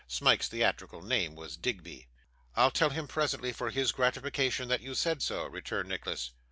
(Smike's theatrical name was Digby.) 'I'll tell him presently, for his gratification, that you said so,' returned Nicholas.